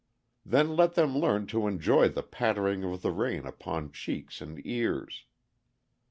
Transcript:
Then let them learn to enjoy the pattering of the rain upon cheeks and ears.